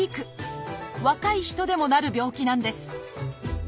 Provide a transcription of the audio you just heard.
若い人でもなる病気なんです